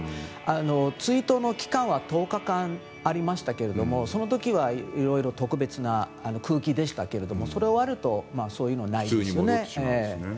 追悼の期間は１０日間ありましたけれどもその時はいろいろ特別な空気でしたけどそれ終わるとそういうのはないです。